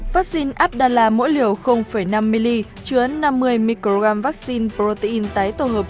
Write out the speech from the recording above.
vaccine abdala mỗi liều năm ml chứa năm mươi mcg vaccine protein tái tổ hợp